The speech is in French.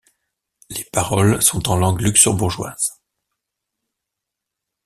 Les paroles sont en langue luxembourgeoise.